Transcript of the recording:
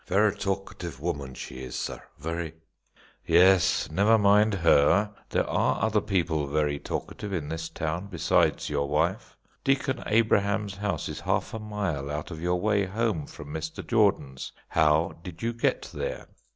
Ver' talkative woman she is, sar, very " "Yes, never mind her; there are other people very talkative in this town besides your wife. Deacon Abraham's house is half a mile out of your way home from Mr. Jordan's. How did you get there?"